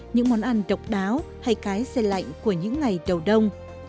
những món ăn độc đáo hay cái xe lạnh của những ngày đầu đông